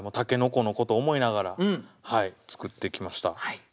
筍のことを思いながら作ってきました。